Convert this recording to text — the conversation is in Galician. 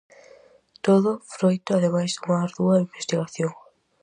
Todo, froito ademais dunha ardua investigación.